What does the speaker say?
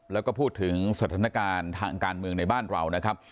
แล้วก็พูดถึงสถานการณ์ทางการเมืองในบ้านเรานะครับ